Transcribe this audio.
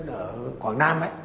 ở quảng nam